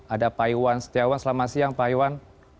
ada pak iwan setiawan selamat siang pak iwan